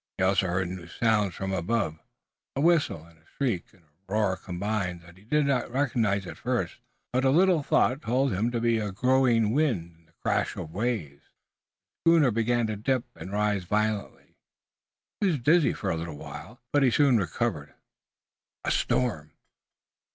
He also heard new sounds from above, a whistle and a shriek and a roar combined that he did not recognize at first, but which a little thought told him to be a growing wind and the crash of the waves. The schooner began to dip and rise violently. He was dizzy for a little while, but he soon recovered. A storm!